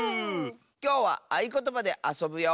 きょうはあいことばであそぶよ！